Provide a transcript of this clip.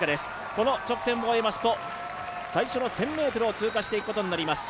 この直線を終えますと最初の１０００ｍを通過していくことになります。